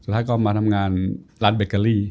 แล้วก็มาทำงานร้านเบเกอรี่